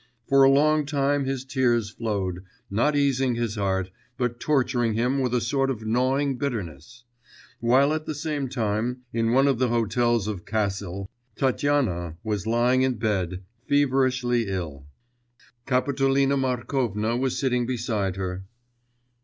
For a long time his tears flowed, not easing his heart, but torturing him with a sort of gnawing bitterness; while at the same time, in one of the hotels of Cassel, Tatyana was lying in bed feverishly ill. Kapitolina Markovna was sitting beside her.